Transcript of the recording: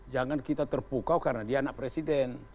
jangan kita terpukau karena dia anak presiden